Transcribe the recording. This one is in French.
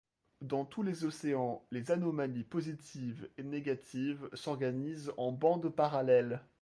Dans tous les océans, les anomalies positives et négatives s'organisent en bandes parallèles.